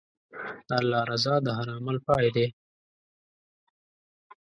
د الله رضا د هر عمل پای دی.